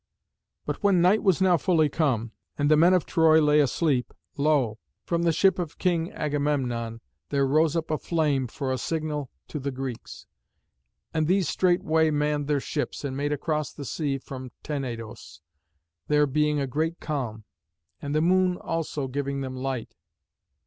But when night was now fully come, and the men of Troy lay asleep, lo! from the ship of King Agamemnon there rose up a flame for a signal to the Greeks; and these straightway manned their ships, and made across the sea from Tenedos, there being a great calm, and the moon also giving them light.